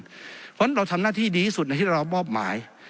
เพราะฉะนั้นเราทำหน้าที่ดีที่สุดในที่เรามอบหมาย